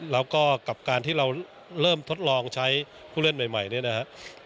แล้วก็กับการที่เราเริ่มทดลองใช้ผู้เล่นใหม่เนี่ยนะครับ